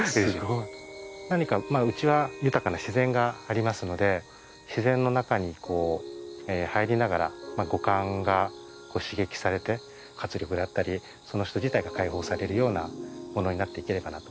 何かまぁうちは豊かな自然がありますので自然の中にこう入りながらまぁ五感がこう刺激されて活力だったりその人自体が解放されるようなものになっていければなと。